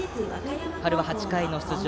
春は８回の出場。